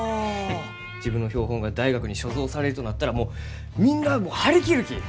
自分の標本が大学に所蔵されるとなったらもうみんなあも張り切るき！